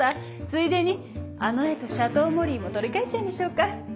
ついでにあの絵とシャトーモリーも取り換えちゃいましょうか。